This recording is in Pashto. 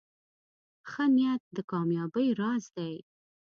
ښه نیت د کامیابۍ راز دی.